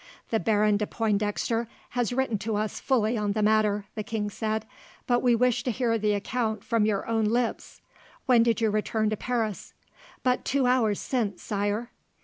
"The Baron de Pointdexter has written to us fully on the matter," the king said, "but we wish to hear the account from your own lips. When did you return to Paris?" "But two hours since, Sire."